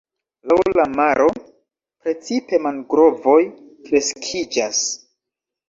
Laŭ la maro precipe mangrovoj kreskiĝas.